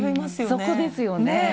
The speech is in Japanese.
そこですよねぇ。